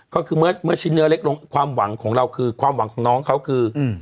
ก็คือเมื่อชิ้นเนื้อเล็กลงความหวังของเราคือความหวังของน้องเขาคือ